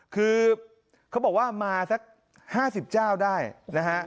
คือเขาบอกว่ามาสัก๕๐เจ้าได้นะฮะ